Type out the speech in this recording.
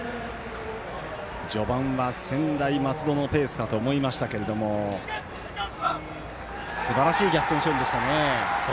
序盤は専大松戸のペースかと思いましたけれどもすばらしい逆転勝利でしたね。